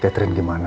katrin gimana ya